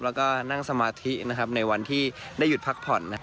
แล้วก็นั่งสมาธินะครับในวันที่ได้หยุดพักผ่อนนะครับ